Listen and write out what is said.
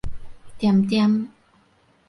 惦惦